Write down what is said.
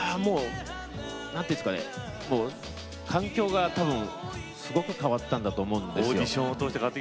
環境がすごく変わったと思うんですよ。